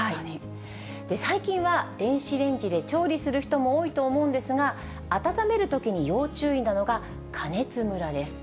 最近は電子レンジで調理する人も多いと思うんですが、温めるときに要注意なのが、加熱むらです。